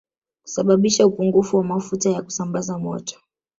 Kusababisha upungufu wa mafuta ya kusambaza moto